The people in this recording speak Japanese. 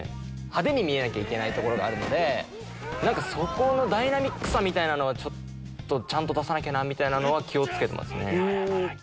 派手に見えなきゃいけないところがあるので何かそこのダイナミックさみたいなのはちょっとちゃんと出さなきゃなみたいなのは気を付けてますね。